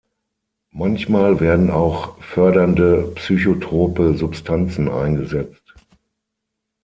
Manchmal werden auch fördernde psychotrope Substanzen eingesetzt.